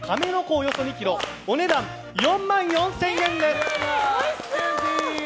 およそ２ｋｇお値段４万４０００円です。